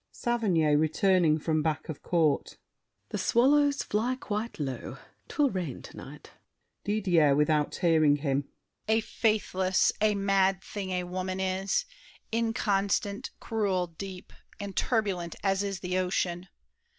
SAVERNY (returning from back of court). The swallows fly quite low; 'Twill rain to night. DIDIER (without hearing him). A faithless, a mad thing, A woman is: inconstant, cruel, deep, And turbulent as is the ocean.